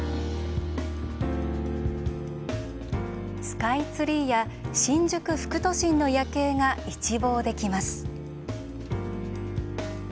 スカイツリーや新宿副都心の夜景が一望できます。